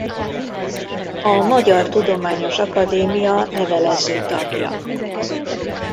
A Magyar Tudományos Akadémia levelező tagja.